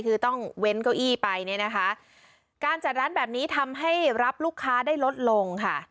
คือต้องเว้นเก้าอี้ไปเนี่ยนะคะการจัดร้านแบบนี้ทำให้รับลูกค้าได้ลดลงค่ะ